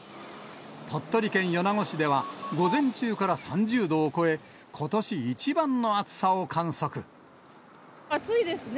鳥取県米子市では午前中から３０度を超え、ことし一番の暑さを観暑いですね。